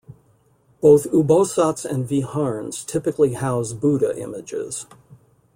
Both ubosots and viharns typically house Buddha images.